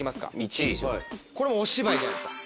これお芝居じゃないですか。